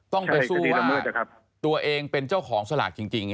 ต้องไปสู้ว่าตัวเองเป็นเจ้าของสลัดจริงนี่หรอ